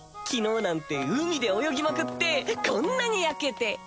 昨日なんて海で泳ぎまくってこんなに焼けて。